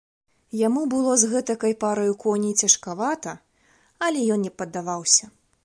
Яму было з гэтакай параю коней цяжкавата, але ён не паддаваўся.